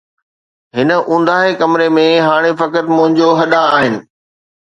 هن اونداهي ڪمري ۾ هاڻي فقط منهنجون هڏا آهن